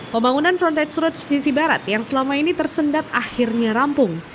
pembangunan frontage roads sisi barat yang selama ini tersendat akhirnya rampung